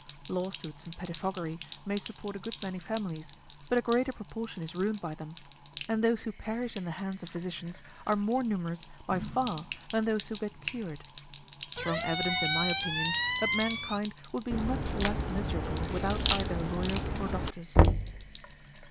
Lawsuits and pettifoggery may support a good many families, but a greater proportion is ruined by them, and those who perish in the hands, of physicians are more numerous by far than those who get cured strong evidence in my opinion, that mankind would be much less miserable without either lawyers or doctors.